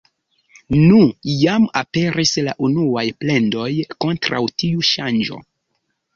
Nu, jam aperis la unuaj plendoj kontraŭ tiu ŝanĝo...